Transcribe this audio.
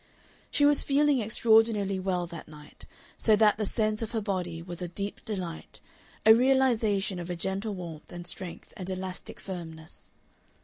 She was feeling extraordinarily well that night, so that the sense of her body was a deep delight, a realization of a gentle warmth and strength and elastic firmness.